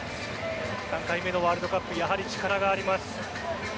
３回目のワールドカップやはり力があります。